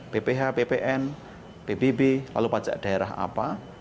pph ppn pbb lalu pajak daerah apa